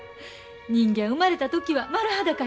人間生まれた時は丸裸や。